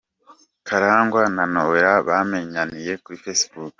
Karangwa na Noella bamenyaniye kuri facebook.